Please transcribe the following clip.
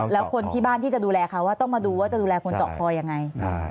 แล้วคนที่บ้านที่จะดูแลเขาว่าต้องมาดูว่าจะดูแลคนเจาะคอยังไง